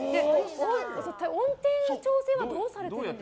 音程の調整はどうされてるんですか？